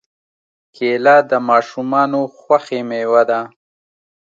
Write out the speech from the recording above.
کېله د ماشومانو خوښې مېوه ده.